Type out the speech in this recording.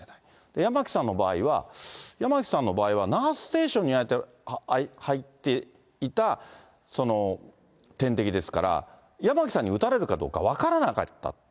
八巻さんの場合は、八巻さんの場合は、ナースステーションに入っていた点滴ですから、八巻さんに打たれるかどうか分からなかった。